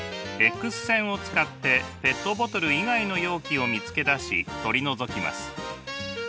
Ｘ線を使ってペットボトル以外の容器を見つけ出し取り除きます。